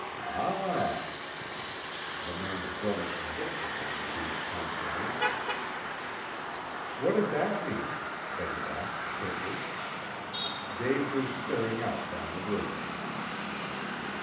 "Ah!" The man's growing conviction had received confirmation. "What did that mean?" Betty asked quickly. Dave was staring out down the river.